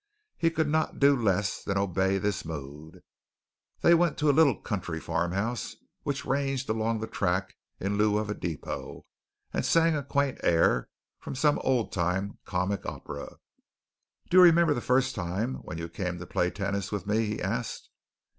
He could not do less than obey this mood. They went to a little country farmhouse which ranged along the track in lieu of a depot, and sang a quaint air from some old time comic opera. "Do you remember the first time when you came to play tennis with me?" he asked.